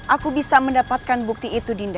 aku bisa mendapatkan bukti itu dinda